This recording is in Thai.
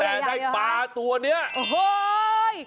แต่ได้ปลาตัวนี้เฮ้ย